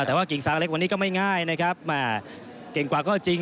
แต่ว่ากิ่งซางเล็กวันนี้ก็ไม่ง่ายนะครับแม่เก่งกว่าข้อจริง